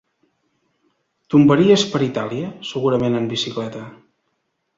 Tombaries per Itàlia, segurament en bicicleta.